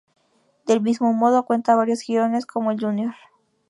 Del mismo modo, cuenta varios jirones, como el jr.